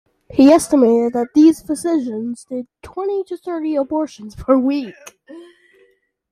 He estimated that these physicians did twenty to thirty abortions per week.